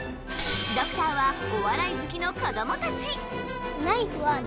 ドクターは、お笑い好きの子どもたち。